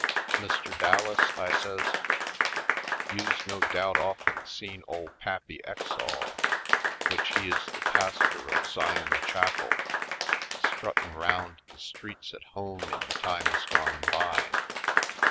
"Mr. Dallas," I says, "you's no doubt of'en seen ole Pappy Exall, w'ich he is the pastor of Zion Chapel, struttin' round the streets at home in times gone by?